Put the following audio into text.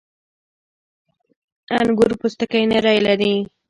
• انګور پوستکی نری لري.